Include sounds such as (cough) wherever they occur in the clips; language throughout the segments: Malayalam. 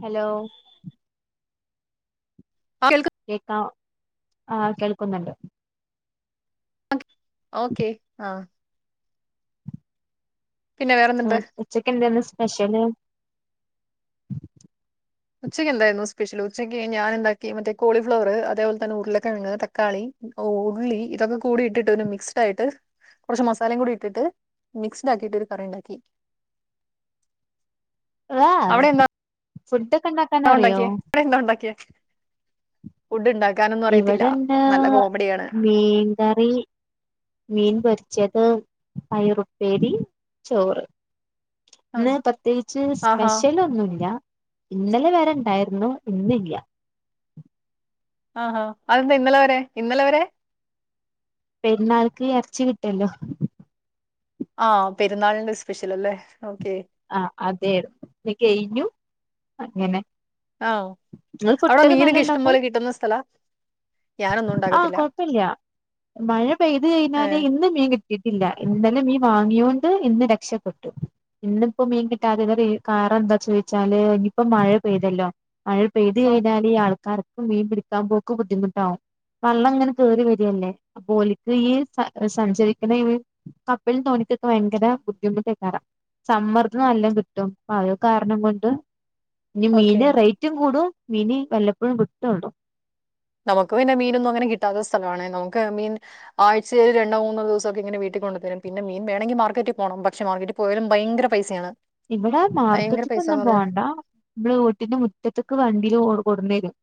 ഹലോ ആ കേൾക്ക കേക്കാം ആഹ് കേൾക്കുന്നുണ്ട് ഓക്കെ ആഹ് പിന്നെ ആ വേറെന്തുണ്ട് ഉച്ചക്ക് എന്തെന്ന് സ് പഷല് ഉച്ചയ്ക്ക് എന്തായിരുന്നു സ്പെഷ്യൽ ഉച്ചക്ക് ഞാൻ എന്താക്കി മറ്റേ കോളിഫ്ലവർ അതേപോലെ തന്നെ ഉരുളക്കിഴങ് തക്കാളി ഉള്ളി ഇതൊക്കെ കൂടി ഇട്ടിട്ട് ഒരു മിക്സ്ഡായിട്ട് കുറച്ച് മസാലയും കൂടി ഇട്ടിട്ട് മിക്സ്ഡ് ആക്കിയിട്ട് ഒരു കറി ഉണ്ടാക്കി വാഉ ഫുഡ്. ആ ഉണ്ടാക്കിയേ (unintelligible) എന്താ ഉണ്ടാക്കിയെ ഫുഡ് ഉണ്ടാ ഇവിടെന്നാ മീൻകറി മീൻ പൊര് ച്ചത് പയറുപ്പേരി ചോറ് ആ ഇന്ന് പ്രത്യേകിച്ച് ആഹാ സ്പെഷ്യൽ ഒന്നുല്ല ഇന്നലെ വരെ ഇണ്ടായിരുന്നു ഇന്നില്ല ആഹാ അതെന്താ ഇന്നലെ വരെ ഇന്നലെ വരെ പെര്ന്നാൾക്ക് ഇറച്ചി കിട്ടൊല്ലോ ആഹ് പെരുന്നാളിന്റെ സ്പെഷ്യൽ അല്ലേ ഓക്കേ ആഹ് അ തേര്ന്നു ത് കെഴിഞ്ഞു അങ്ങനെ ആ ഇങ്ങള് അവിടെ ഫുഡൊക്കെ നല്ല മീനൊക്കെ ഇഷ്ടം ഉണ്ടാക്കും പോലെ കിട്ടുന്ന സ്ഥലാ ഞാനൊന്നും ആഹ് ഉണ്ടാക്കത്തില്ല കുഴപ്പില്യ മഴ പെയ്ത് ഏ കഴിഞ്ഞാല് ഇന്ന് മീൻ കിട്ടിയിട്ടില്ല ഇന്ന ഇന്ന് മീൻ വാങ്ങിയൊണ്ട് ഇന്ന് രക്ഷപ്പെട്ടു ഇന്നിപ്പോ മീൻ കിട്ടാത (unintelligible) കാരം എന്താ ചോദിച്ചാല് ഇനിയിപ്പോ മഴ പെയ്തല്ലോ മഴ പെയ്ത് കഴിഞ്ഞാല് ഈ ആൾക്കാർ മീൻ പിടിക്കാൻ പോക്ക് ബുദ്ധിമുട്ടാവും വെള്ളം ഇങ്ങനെ കേറി വരല്ലേ അപ്പോൽക്ക് ഈ സഞ്ചരിക്കുന്ന ഈ കപ്പൽന് തോണിക്കൊക്കെ ഭയങ്കര ബുദ്ധിമുട്ടേക്കാരം സമ്മർദ്ദം നല്ലം കിട്ടും അപ്പത് കാരണം കൊണ്ട് ഇനി ഓക്കെ മീന്റെ റേറ്റും കൂടും മീനി വല്ലപ്പഴും കിട്ടൊള്ളൂ നമുക്ക് പിന്നെ മീനൊന്നും അങ്ങനെ കിട്ടാത്ത സ്ഥലമാണെ നമുക്ക് മീൻ ആഴ്ചയിൽ രണ്ടോ മൂന്നോ ദിവസോക്ക ഇങ്ങനെ വീട്ടിൽ കൊണ്ട്തരും പിന്നെ മീൻ വേണെങ്കിൽ മാർക്കറ്റിൽ പോണം പക്ഷെ മാർക്കറ്റിൽ പോയാലും ഭയങ്കര പൈസയാണ് ഇവിടെ ഭയങ്കര മാർക്കറ്റ് ക്കൊന്നും പൈസാന്ന് പറഞ്ഞാ പോണ്ട നമ്മളെ വീട്ടിന്റെ മുറ്റത്ത്ക്ക് വണ്ടിയില് ഓടും കൊടുന്നെരും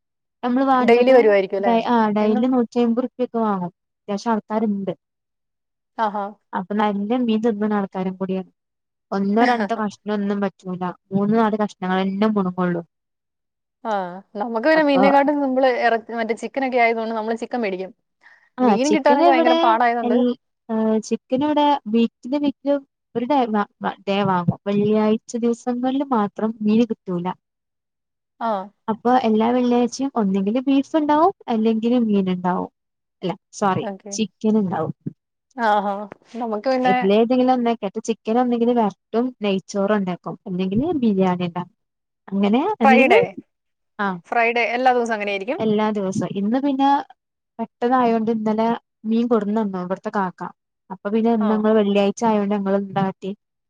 ഞമ്മള് ഡെയിലി വേണ്ടത് വരുവായിരിക്കും അല്ലേ? ഡയ് ആ എന്നും ഡയ്ലി നൂറ്റി അമ്പത് റൂപ്യ ഒക്കെ വാങ്ങും അത്യാവശ്യം ആൾക്കാര്ണ്ട് ആഹാ! അപ്പം ന ഞാൻ മീൻ തിന്ന് ണ ആൾക്കാരും കൂടിയാണ് ഒന്നോ രണ്ടോ കഷ് പറ്റൂല മൂന്ന നാല് കഷ്ണങ്ങളന്നെ മുണങ്ങള്ളൂ. ആഹ് നമുക്ക് പിന്ന മീനെക്കാട്ടും സിമ്പിൾ ഇ മറ്റേ ചിക്കൻ ഒക്കെ ആയതൊണ്ട് നമ്മള് ചി മേടിക്കും. ആ മീൻ ചിക്കൻ കിട്ടാനൊക്കെ ഭയങ്കര ഇവിടെ പാടായതുകൊണ്ട് ചിക്കൻ ഇവിടെ വീട്ട വും (unintelligible) ഒരു ദയ ദയവാങ്ങോ വെള്ളിയാഴ്ച ദിവസങ്ങളില് മാത്രം നീര് കിട്ടൂല. ആ അപ്പൊ എല്ലാ വെള്ളിയാ ഒന്നെങ്കില് ബീഫ് ഉണ്ടാവും അല്ലെങ്കിലിൽ മീൻ ഉണ്ടാവും. അല്ല സോറി ചിക്കൻ ഉണ്ടാവും. ആ ആ ഇതില ഏതെങ്കിലും ഒന്ന കേട്ട് ചിക്കൻ ഒന്നെങ്കിലും വേ ും നെയ്ച്ചോറ ഉണ്ടാക്കും അല്ലെങ്കില് ബിരിയാണി ഉണ്ടാ അങ്ങനെ അല്ലെങ്കിൽ ഫ്രൈഡേ ആഹ് ഫ്രൈഡേ എല്ലാ ദിവസവും അങ്ങനെയായിരിക്കും. എല്ലാ ദിവസവും ഇന്ന് പിന്നെ മുട്ടതായതോണ്ട് ഇന്നലെ മീൻ കൊടുന്നന്നു ഇവിടുത്തെ കാക്ക അ പിന്നെ ആ ങ്ങൾ വെള്ളിയാഴിച്ച ആയതോണ്ട് ഞങ്ങ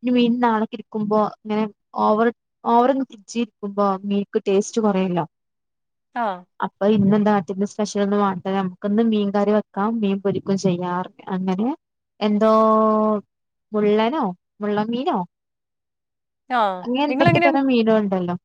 ഇ മീൻ നാളക്കെ ഇരിക്കുമ്പോ ഇങ്ങനെ ഓവർ ഓവർ ഫ്രിഡ്ജി ഇരിക്കുമ്പോ മീൻക്ക് ടേസ്റ്റ് കുറയുല്ലോ. ആ അപ്പൊ ഇന്ന് നാട്ടന്റെ സ്പെഷ്യൽ ഒന്ന് വ നമുക്കിന്ന് മീൻകറി വെക്കാം മീൻ പൊരിക്കും ചെയ്യാറ് അങ്ങനെ എന്തോ മുള്ളനോ മുള്ള മീനോ ആ അങ്ങനെ എന്തൊക്കെ തരം മീന ഉണ്ടല്ലോ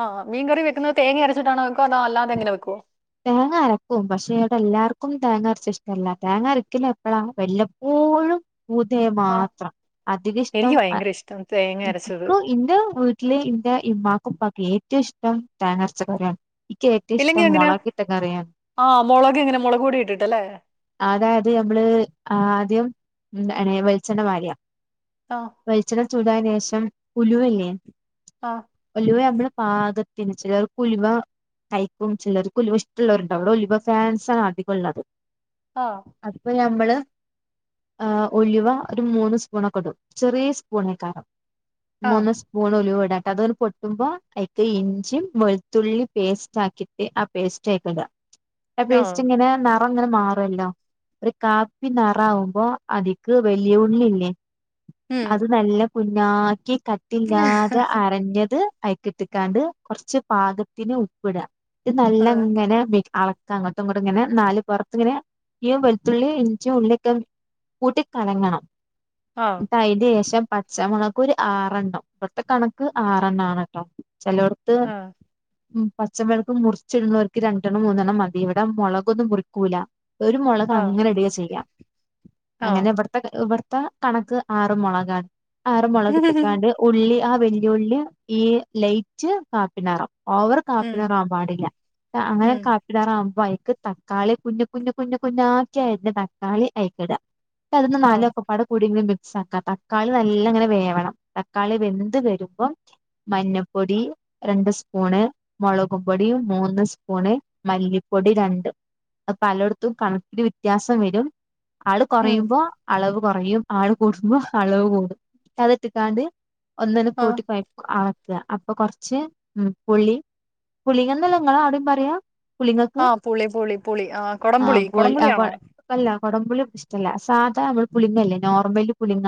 ആഹ് മീൻ കറി വെക്കുന്നത് തേങ്ങ അരച്ചിട്ടാണ് വെക്കോ അതോ അല്ലാതെങ്ങെക്കുവോ തേങ്ങ അരക്കും പക്ഷെ അവിടെ എല്ലാർക്കും തേങ്ങ അരച്ച ഇഷ്ടല്ല തേങ്ങ അരക്കില്ല എപ്പഴാ വല്ലപ്പോഴും പൂതെ ആ മാത്രം അധിക ഇഷ്ടം. എനിക്ക് ഭയങ്കര ഇഷ്ടം തേങ്ങ അരച്ചത് ഇൻക്കും ഇന്റെ വീട്ടില് ഇന്റെ മാക്കുംപക്ക് ത് ഇഷ്ടം താൻറച്ച കാര്യാണ് എക്ക് ഏറ്റവും ഇല്ലെങ്കിൽ ഇഷ്ടം എങ്ങനെയാ മുളകിട്ട കറിയൻ ആ മുളക് എങ്ങനെ മുളക് പൊടി ഇട്ടിട്ടല്ലേ അതായത് നമ്മള് ആദ്യം ഉ അണ വെളിച്ചണ് മാര്യ ആ വൈച്ചില ചൂടായെന് ശേഷം ഉലുവല്ലേ ആ ഉലുവ ഇവിടെ പാകത്തിന് ചിലർകുലിവ കയിക്കും ചിലർ കുലിവ ഇഷ്ടമുള്ളവരുണ്ടവും അവിടെ ഒലിവ ഫാൻസ ആണ് അധികം ഉള്ളത്. ആ അപ്പൊ നമ്മള് ആഹ് ഉലുവ ഒരു മൂന്ന് സ്പൂൺൊക്കെ ഇടും ചെറിയ സ് പുണിക്കാരം ആ മൂന്ന് സ്പൂൺ ഉലുവടാൻ അതൊന്ന് പൊട്ടുമ്പോ അഐക്ക ഇഞ്ചി വെളുത്തുള്ളി പേസ്റ്റ് ആക്കിട്ട ആ പേസ്റ്റ് ആയിക്കട ആ പേസ്റ്റിങ്ങനെ റഅങ്ങനെ മാറുമല്ലോ ഒരു കാപ്പി നിറ ആവുമ്പോ അതിക്ക് വലിയ ഉള്ളില്ലേ ഉം അത് നല്ല കുഞ്ഞാക്കി കത്തില്ലാതെ അരഞ്ഞത് കൈക്കിട്ടിക്കാണ്ട് കുറച്ച് പാകത്തിന് ഉപ്പിടാം ഇത് നല്ല ആ ഇങ്ങനെ വെയ് അളക്ക അങ്ങോട്ടും ഇങ്ങോട്ടും ഇങ്ങനെ നാല് പുറത്ത്ങ്ങനെ ഈ വെലുത്തുള്ളി ഇഞ്ചിയും ഉള്ളിയക്കെ കൂട്ടി കലങ്ങണം ആ ഉന്ത ഇത് ശം പച്ചമുണക്ക് ഒരു ആറെണ്ണം ഇവിത്തെ കണക്ക് ആറെണ്ണം ആണ് കേട്ടോ ചിലോട്ത്ത് ആ ഉം പച്ചമിളക്ക് മുറിച്ചിടുന്നവർക്ക് രണ്ടെണ്ണം മൂന്നെണ്ണം മതി ഇവിടെ മുളകൊന്നും മുറിക്കൂല ഒരു മുളക് ആ അങ്ങനെ ഇടുക ചെയ്യാം ആ അങ്ങനെ ഇവിടത്തെ ഇ ഇപ്പ കണക്ക് ആറ മുളകണ് ആറ മുളക്എത്ത്ക്കാണ്ട് ഉള്ളി ആ വെല്ലുളി ഈ ലൈറ്റ് കാപ്പിനാറാം ഓവർ ഉം കാപ്പിനാറാവൻ പാടില്ല അങ്ങനെ ഉം കാപ്പിനാറ ആവുമ്പോ ക്ക് തക്കാളി കുഞ്ഞഞ് കുഞ്ഞു കുഞ്ഞഞ് കുഞ്ഞ ആക്കിയരിഞ്ഞ തക്കാളി അയി‌ക്കിടഅ അതൊന്ന് ആ നാലൊക്കപട കൂിയെങ്കിലും സക്കാത്ത തക്കാളി നല്ല ഇങ്ങനെ വേവണം തക്കാളി വെന്ത് വരുമ്പോം മഞ്ഞപ്പൊടി രണ്ട് സ്പൂണ് മുളകും പൊടി മൂന്ന് സ്പൂണ് മല്ലിപ്പൊടി രണ്ട് അത് പലയിടത്തും കണക്കിന് വ്യത്യാസം വരും ആള് ഉം കുറയുമ്പോ അളവ് കുറയും ആള് കൂടുമ്പോ അളവ് കൂടും കഥട്ടക്കാണ്ട് ഒന്നന ആ കൂട്ടിക്കോയക്കുആ അപ്പൊ കുറച്ച് ഉ പുളി പുളിന്നല്ലങ്ങളാ അവിടയും പറയാ പുളിങ്ങക്ക് ആ പുളി പുളി പുളി ആ കൊടംപുളി പുളി ആ കൊ കൊടംപുളിയാണോ അല്ല കൊടംപുളി സാധാ അവള് പുളിങ്ങില്ലേ നോർമലി പുലിങ്ങ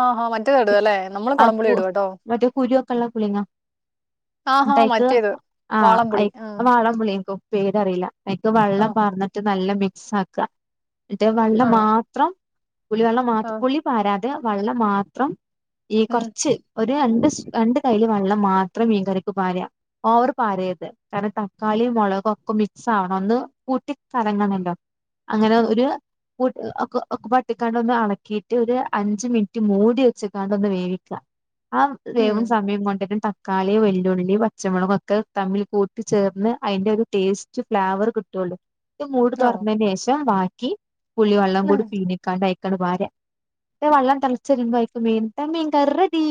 ആഹഹാ മറ്റേത് ഇടുവ അല്ലേ നമ്മള് കൊടംപുളി ഇടുവ കേട്ടോ യക്കെല്ലാം കുളിാ ആ ഹാ ട്ടക്ക് മറ്റേത് ആഹഐ വാളംപുളി ആ വാള പുളിയക്കും പേരറീല മക്ക് ആ വെള്ളം പാർന്നിട്ട് നല്ല മി സ്സാക്കാ ന്നിട്ട് വെള്ള ആ മാത്രം പുളി വെള്ളം ആ മാത്രം പുളി വരാതെ വള്ളം മാത്രം ഈ ഉം കൊർച്ച് ഒരു രണ്ട് സ് രണ്ട് കയില് വള്ളം മാത്രം മീൻ കറിക്ക് പാരാ ഓവർ പാരര്ത് കാരണം തക്കാളി മുളകു ഒക്കെ മിക്സ് ആവണം ഒന്ന് കൂട്ടി കലങ്ങണല്ലോ അങ്ങനെ ഒരു കൂ ഒക്ക ഒക്കപ്പാടെട്ട്ക്കാണ്ട് ഒന്ന് അളക്കി റ്റ് ഒരു അഞ്ച് മിനിറ്റ് മൂടി വെച്ചക്കാണ്ടൊന്ന് വേവിക്ക ആ ഉം വേവുൺ സമയം കൊണ്ട് ത ക്കാളി വെല്ലുള്ളി പച്ചമുളക് ഒക്കെ തമ്മിൽ കൂട്ടി ചേർന്ന് അതിന്റെ ഒരു ടേസ്റ്റ് ഫ്ലേവർ കിട്ടുള്ളൂ ട്ട് മൂട് ഓ തുറന്നതിന് ശേഷം വാ കി പുളി വെള്ളം ഉം, കൂടി പീഞ്ഞ്ക്കണ്ടായി ക്കണ് പാരാ വെള്ളം തൾച്ചരുമ്പോൾ മീൻ ഇട്ട മീൻ കറടി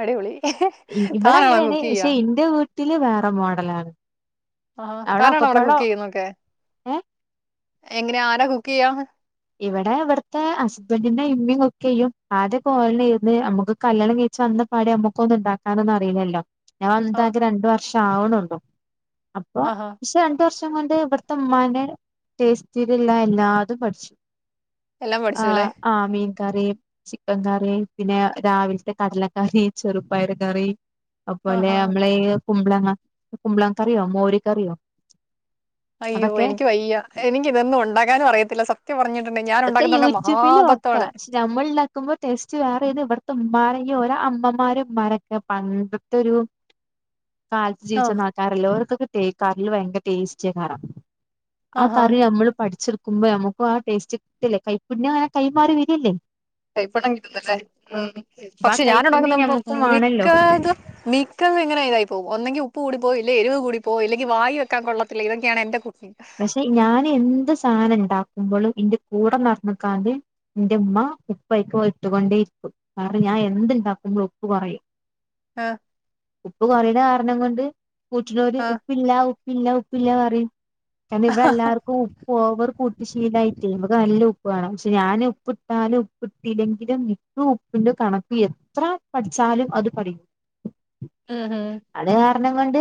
അടിപൊളി താനാണോ കുക്കെയ്യാ ട്ടില് വേറെ മോഡലാണ് ആ താനാണോ അവിടെ കുക്ക് ചെയ്യുന്നൊക്കെ ഏ എങ്ങനെ ആരാ കുക്ക് ചെയ്യാ ഇവിടെ ഇവിടുത്തെ ഹസ്ബന്റിന്റെ ഇമ്മീം കുക്കെയും ആദ്യൊക്കെ ഓലെന്നേയ്ന്ന് നമ്മുക്ക് കല്ല്യണം കയ്ച്ച് വന്ന പാടെ നമ്മുക്കൊന്നും ഉണ്ടാക്കാനൊന്നും അറിയില്ലല്ലോ ഞാൻ ആഹ് വന്ന്ട്ടാകെ രണ്ടു വർഷം റ്റാവണൊള്ളു അപ്പൊ ആഹാ പക്ഷേ രണ്ടു വർഷം കൊണ്ട് ഇവട്ത്തെ ഉമ്മാനെ ടെസ്റ്റില്ള്ള എല്ലാതും പഠിച്ചു എല്ലാം ആ പഠിച്ചുല്ലേ? ആ മീൻ കറി ചിക്കൻ കറി പിന്നെ രാവിൽത്തെ കടലക്കറി ചെറുപയർ കറി അത്പോലെ ആഹാ. നമ്മളെ ഈ കുമ്പളങ്ങ കുമ്പളങ്ങ കറിയോ മോര് കറിയോ അയ്യോ അതൊക്കെ എനിക്ക് വയ്യ എനിക്ക് ഇതൊന്നും ഉണ്ടാക്കാനും അറിയത്തില്ല സ ത്യം പറഞ്ഞ ഇതൊക്കെ യൂട്യൂബില് വക്കാ പക്ഷേ നമ്മൾ ഉണ്ടാക്കുമ്പോ ടെസ്റ്റ് വേറേണ് ഇബ തെ ഇമ്മമാരയ്യും ഓരോ അമ്മമാരും മ്മാരൊക്കെ പണ്ടത്തെൊരു കാലത്ത് ജീവിച്ച ആഹ് ആൾക്കാരല്ലേ ഓര്ക്കൊക്കെ തേക്കാറിൽ ഭയങ്കര ടേസ്റ്റ് കാണം ആ ആഹാ കറി നമ്മള് പഠിച്ചി ടുക്കുമ്പോ നമുക്ക് ആ ടേസ്റ്റ് ഇല്ലേ കൈപ്പുണ്യംങ്ങനെ കൈമാറി വരിയല്ലേ കൈപ്പടം കിട്ടുന്നവെച്ചാൽ ഉ അപ്പൊ ആ പക്ഷെ ഞാൻ കൈപ്പുണ്യം ഇടക്കുന്ന പം ഞമ്മുക്കും മിക്ക വേണല്ലോ ഇത് മിക്ക എങ്ങനെ ഇതായി പോകും ഒന്നെങ്കി ഉ ഉപ്പ് കൂടി പോകും ഇല്ലേ എരിവ്കൂടിപ്പോകും ഇല്ലെങ്കി വായിവെക്കാൻ കൊള്ളത്തില്ല ഇതൊക്കെയാണ് എന്റെ കു പക്ഷെ ഞാൻ എന്ത് സാനം ഉണ്ടാക്കുമ്പോഴും ഇന്റെ കൂടെ നടന്നുക്കാണ്ട് എന്റെ ഉമ്മ ഉപ്പായിക്ക്ട്ടുകൊണ്ടേ ഇരിക്കും കാരണം ഞാൻ എന്ത്‌ ഉണ്ടാക്കുമ്പോളും ഉപ്പ് കുറയും ആഹ് ഉപ്പ് കറിയുടെ കണം കൊണ്ട് കൂട്ടുന്നോര് ആഹ് ഉപ്പില്ല ഉപ്പില്ല ഉപ്പില്ല പറയും കാരണം ഇവിടെ എല്ലാവർക്കും ഉപ്പ് ഓവർ കൂട്ടു ശീലായിട്ട് നമ്ക്ക് നല്ല ഉപ്പ് ഉപ്പ് വണണം പക്ഷെ ഞാൻ ഉപ്പിട്ടാലും ഉപ്പിട്ടില്ലെങ്കിലും മിക്ക ഉപ്പിന്റെ കണക്ക് എത്ര പഠിച്ചാലും അത് പടിയൂല ഉം ഹും. അതെ കണം കൊണ്ട്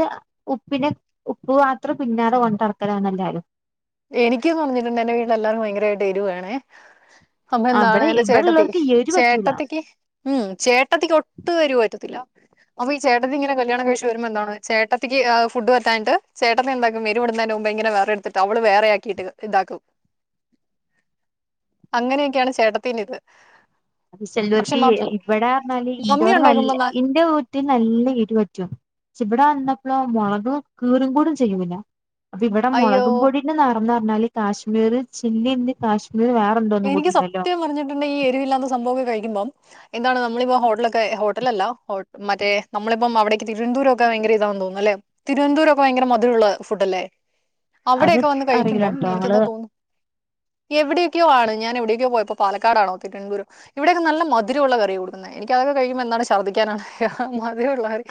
ഉപ്പിനെ ഉപ്പ് പാത്രം പിന്നാലെ കൊണ്ട് നടക്കും നെല്ലാരും എനക്ക്ന്ന് പറഞ്ഞിട്ടുണ്ട് എന്റെ വീട്ടിൽ എല്ലാർക്കും ഭയങ്കരമായിട്ട് എരുവേണേ അമ്മ എന്താണ് അവിടെ എന്റെ ഇവിടെ ചേട്ടത്തി ഉള്ളവർക്ക് എരു പറ്റൂല ചേട്ടത്തിക്ക് ഉ ചേട്ടത്തിക്ക് ഒട്ടും എരിവ് പറ്റത്തില്ല അപ്പൊ ഈ ചേട്ടന് ഇങ്ങെനെ കല്യാണം കഴിച്ച് വരുമ്പോ എന്താണ് ചേട്ടത്തിക്ക് ഫുഡ്പറ്റാഞ്ഞിട്ട് ചേട്ടത്തി ന്താക്കും എരിവ് വെരുവിടുന്നതിനു മുമ്പ് വേറെ എടുത്തിട്ടാവും ള് വേറെയാക്കിട്ട് ഇതാക്കും അങ്ങനെയൊക്കെയാണ് ചേട്ടത്തിന് ഇത് അത് പക്ഷെ ചെല്ലൂർക്ക് മം- ഇവിടെ പറന്നാല് മമ്മി ഇന്റോടെ ഉണ്ടാക്കുമ്പോ ന- ഇന്റെ വീട്ടിൽ നല്ല എരിവ് പറ്റും ഇവിടെ വന്ന ളോ മുളകും കീറും കൂടും ചെയ്യൂല്ല അപ്പൊ ഇവിടെ അയ്യോ മുളകും പൊടിന്ന് നടന്ന ന്നാല് കാശ്മീർ ചില്ലി ഇന്ന് കാശ്മീർ വേറെന്തോന്നും എനിക്ക് കൂടി ഉണ്ടല്ലോ സത്യം പറഞ്ഞിട്ടുണ്ട് ഈ എരിവില്ലാതെ സംഭവംക്കെ കഴിക്കുമ്പം എന്താണ് നമ്മളിപ്പോ ഹോട്ടലൊക്കെ ഹോട്ടലല്ല മറ്റേ നമ്മളിപ്പം അവിടേക്ക് തിരുവനന്തപുരമക്കെയ ഇതാെന്ന് തോന്നുന്നു അല്ലെ തിരുവന്തുരമക്കെ ഭയങ്കര മധുരമുള്ള ഫുഡല്ലേ അത് അവിടെക്കെ വന്ന് കഴിക്കുമ്പം അറിയില്ലട്ടോ എനിക്ക് ഞങ്ങള് എന്താ തോന്നുന്നു എവിടെ ഞാൻ എവിടേക്കോ പോയപ്പോ പാലക്കാടാണോ തിരുനന്തപൂരം എവിടെയക്കെ നല്ല മധുരമുള്ള കറി കൊടുക്കുന്നത് എനിക്ക്‌ അതൊക്ക കിയുമ്പോൾന്താണ് ശർദ്ദിക്കാനാണ്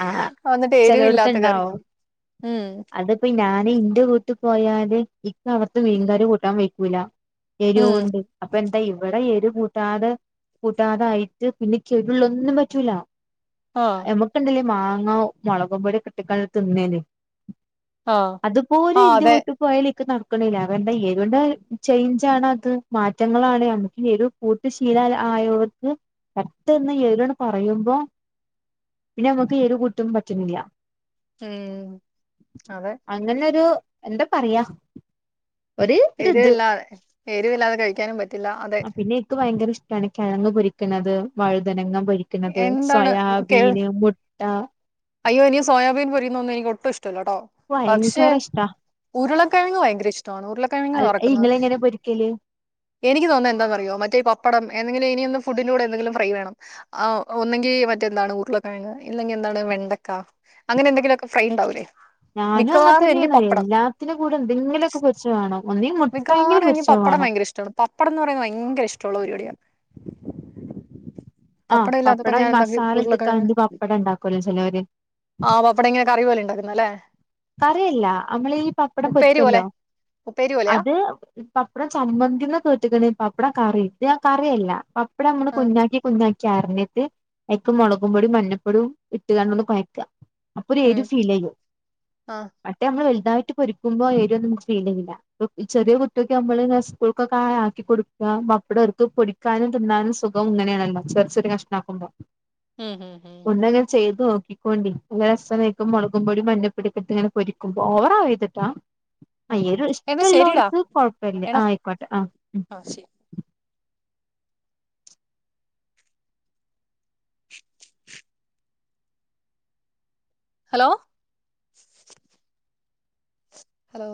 ആ കറി ചിലവിടത്തുണ്ടാവും ഉം അതിപ്പോ ഞാന് ഇന്റെ വീട്ട് പോയാല് ഉം അർത്ത് മീൻകാർ കൂട്ടാൻ വെയ്ക്കൂല്ല ഉം എരുവുണ്ട് അപ്പൊ എന്താ ഇവിടെ എരും കൂട്ടാതെ കൂട്ടാതായിട്ട് പിന്നെ എരുള്ളൊന്നും പറ്റൂല ആ നമ്മക്കുണ്ടല്ലേ മാങ്ങ മുളകും പൊടി ഒക്കെ ഇട്ടിക്കാണ്ട് തിന്നേനും ആ അതുപോലെ ആ എന്റെ അതെ വീട്ട് പോയാൽ എനിക്ക് നട ക്കണില്ല വേണ്ടാ ഏരുന്റെ ചേഞ്ച ആണോ അത് മാറ്റങ്ങളാണ് നമ്മുക്ക് എരു കൂട്ടു ശീല ആയോർക്ക് പട്ടെന്ന് ഏരുൺ പറയുമ്പോ പിന്നെ നമുക്ക് എരു കൂട്ടും പറ്റുന്നില്ല ഉം അതെ അങ്ങനെ ഒരു എന്താ പറയാ ഒരു ഒരിത് എരിവില്ലാതെ എരിവില്ലാതെ കഴിക്കാനും പറ്റില്ല അതെ ക്കാണ് കിഴങ്ങ് പൊരിക്കുന്നത് വഴുതനങ്ങ പൊരിക്കണത് എന്താണ് കേൾ സോയാബീൻ ആ അയ്യോ ഇനി സോയാബീൻ പൊരിക്കുന്നോന്ന് എനി ഒുട്ടും ഇഷ് ല്ല ട്ടോ പക്ഷെ ഭയങ്കര ഇഷ്ടാ ഉരുള കിഴങ്ങ് ഭയങ്കരിഷ് ട്ടാണ് ഉരുളക്കിഴങ് വറക്കുന്നത് ഇങ്ങള് എങ്ങനെ പൊരിക്കല് എനിക്ക് തോനുന്നത് എന്താന്ന് അറിയോ മറ്റേ പപ്പടം എന്തെങ്കിലും (unintelligible) ഫുഡിന്റെ കൂടെ എന്തെങ്കിലും ഫ്രൈ വേണം ഒന്നെങ്കിൽ മറ്റെന്താണ് ഉരുളക്കിഴങ് ഇല്ലെങ്കിൽ എന്താണ് മെ ക്ക അങ്ങനെ എന്തെങ്കിലുമൊക്കെ ഫ്രൈണ്ട്ണ്ടാവൂല്ലേ ഞാനും അങ്ങനെ തന്നെയണ് എല്ലാത്തിനും കൂടെ എന്തെങ്കിലുമൊക്കെ പൊരിച്ചെ വേണം ഒന്നീ മുട്ടയെങ്കിലും മിക്കവാറും എനിക്ക് പൊരിച്ചത് പപ്പടം വേണം ഭയങ്ക ഇഷ്ടമാണ് പപ്പടം എന്ന് പറയാ ഭയങ്ക ഇഷ് ട്ടൊള്ള പരിപാടിയാ ആഹ് പപ്പട ഇല്ലാതപ്പ പപ്പടം ഞാൻ ഈ എന്തക്കു മസാല ഉരുളകിഴങ്ങ് ഇട്ട്ക്കാണ്ട് പപ്പടം ഉണ്ടാക്കുവല്ലോ ചിലവര് ആഹ പപ്പടം ഇങ്ങനെ കറി പോലെ ഉണ്ടാക്കുന്നല്ലേ കറിയല്ല നമ്മള് ഈ പപ്പടം ഉപ്പേരി പൊരിക്കല്ലോ പോലെ ഉപ്പേരി പോലെയാ? അത് പപ്പട ചമ്മന്തിന് കേട്ടക്ക്ണ് പപ്പടം കറി ഇത് ആ കറിഅല്ല ഇപ്പടെ നമ്മള് ആഹ് കുഞ്ഞാക്കി കുഞ്ഞാക്കി അറിഞ് അയക്ക് മുളകും പൊടും മഞ്ഞപ്പൊടിയും ഇട്ട്കാണ്ട് കുഴക്ക അപ്പൊരു ഉം എരു ഫീൽ ചെയ്യും ആഹ് മറ്റേ വലുതായിട്ട് പൊരിക്കുമ്പോ എരിവ് ഫീലല്ല ചെറിയ കുട്ടിയൊക്കെ ആവുമ്പോ സ്‌കൂൾ ഒക്കെ ആക്കി കൊടുക്ക പപ്പട അവർക്ക് പൊടിക്കാനും തിന്നാനും സുഖം ഇങ്ങനെ ആണ ല്ലോ ചെറിയ ചെറിയ കഷ്ണമാക്കുമ്പോ ഉം ഉം ഉം നോക്കിക്കോണ്ടി രസം വയ്ക്കും മുളകും പൊടി മഞ്ഞ പ്പൊടി ഇട്ട് ഇങ്ങനെ പൊരിക്കുമ്പോ ഓവർ ആവരുതട്ടാ ഉം അയ്യെരു എന്നാ ശരിടാ ഇഷ്ടമുള്ളവർക്ക് കൊഴപ്പില്ലേ എടാ ആയിക്കോട്ടെ ആ ആഹ് ശരി ഹലോ ഹലോ